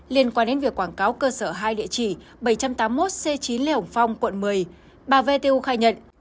liên quan đến việc quảng cáo cơ sở hai địa chỉ bảy trăm tám mươi một c chín lê hồng phong quận một mươi bà v tiêu khai nhận